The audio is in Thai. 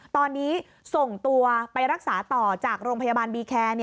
ตอนนี้ส่งตัวไปรักษาต่อจากโรงพยาบาลบีแคร์